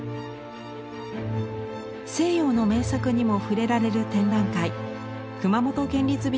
西洋の名作にも触れられる展覧会。